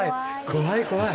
怖い怖い！